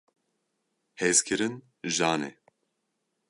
Hezkirin jan e.